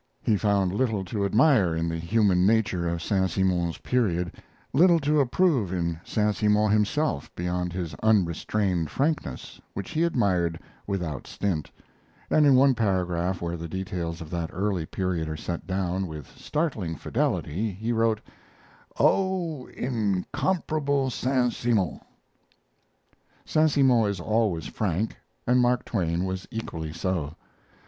He found little to admire in the human nature of Saint Simon's period little to approve in Saint Simon himself beyond his unrestrained frankness, which he admired without stint, and in one paragraph where the details of that early period are set down with startling fidelity he wrote: "Oh, incomparable Saint Simon!" Saint Simon is always frank, and Mark Twain was equally so.